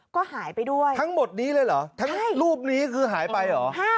ก็หายไปด้วยทั้งหมดนี้เลยเหรอทั้งรูปนี้คือหายไปเหรอ